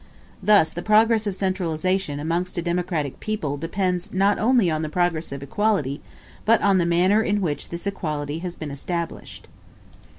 Thus the progress of centralization amongst a democratic people depends not only on the progress of equality, but on the manner in which this equality has been established.